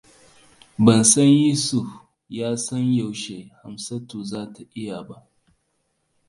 Ban san Yusuf ya san yaushe Hamsatu za ta yi ba.